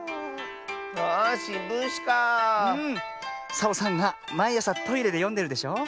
サボさんがまいあさトイレでよんでるでしょ？